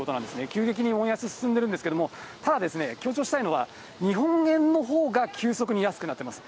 急激にウォン安進んでいるんですけど、ただ、強調したいのは、日本円のほうが急速に安くなっています。